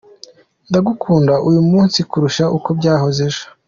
Ndagukunda uyu munsi kurusha uko byahoze ejo".